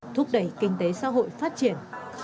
thúc đẩy kinh tế xã hội phát triển